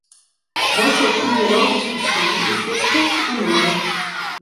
Dat soort ideologisch gescherm is volstrekt onnodig.